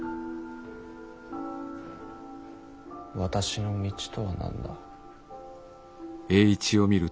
私の道とは何だ？